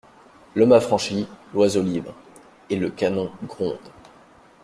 L'homme affranchi, l'oiseau libre.» Et le canon gronde.